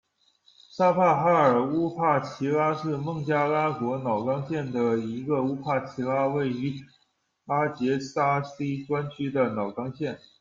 沙帕哈尔乌帕齐拉是孟加拉国瑙冈县的一个乌帕齐拉，位于拉杰沙希专区的瑙冈县。